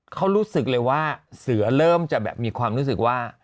เขารู้สึกเลยว่าเสือเริ่มจะแบบมีความรู้สึกว่า